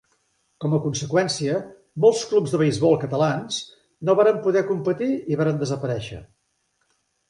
Com a conseqüència molts clubs de beisbol catalans no varen poder competir i varen desaparèixer.